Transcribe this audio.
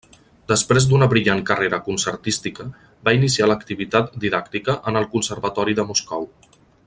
Després d'una brillant carrera concertística, va iniciar l'activitat didàctica en el Conservatori de Moscou.